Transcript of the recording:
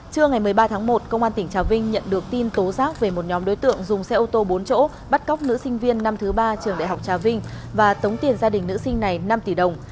trưa ngày một mươi ba tháng một công an tỉnh trà vinh nhận được tin tố giác về một nhóm đối tượng dùng xe ô tô bốn chỗ bắt cóc nữ sinh viên năm thứ ba trường đại học trà vinh và tống tiền gia đình nữ sinh này năm tỷ đồng